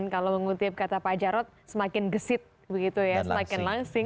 kalau mengutip kata pak jarod semakin gesit begitu ya semakin langsing